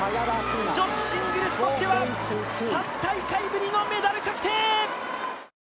女子シングルスとしては３大会ぶりのメダル確定！